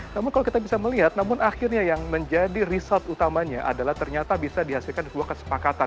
namun kalau kita bisa melihat namun akhirnya yang menjadi result utamanya adalah ternyata bisa dihasilkan sebuah kesepakatan